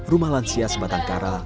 rumah lansia sebatang kara